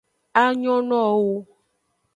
A nyonowo wu.